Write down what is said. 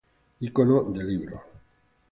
ícono de libro